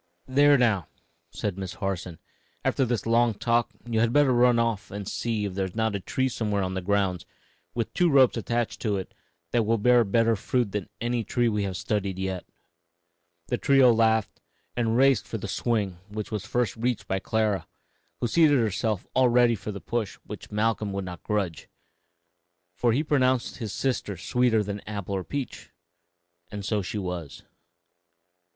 ] "There, now!" said Miss Harson; "after this long talk, you had better run off and see if there is not a tree somewhere on the grounds, with two ropes attached to it, that will bear better fruit than any tree we have studied yet." The trio laughed and raced for the swing, which was first reached by Clara, who seated herself all ready for the push which Malcolm would not grudge, for he pronounced his sister sweeter than apple or peach; and so she was.